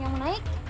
yang mau naik